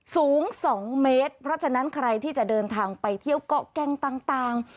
สูง๒เมตรเพราะฉะนั้นใครที่จะเดินทางไปเที่ยวเกาะแกงต่าง